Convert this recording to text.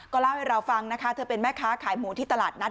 เล่าให้เราฟังนะคะเธอเป็นแม่ค้าขายหมูที่ตลาดนัด